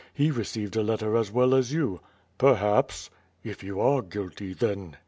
lie received a letter as well as you.* "Perhaps/' "If you are guilty, then. ..."